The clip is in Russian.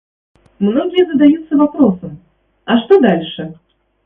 Многие задаются вопросом: а что дальше?